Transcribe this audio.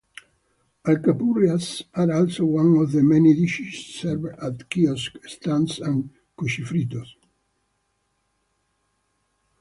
Alcapurrias are also one of the many dishes served at kiosk stands and cuchifritos.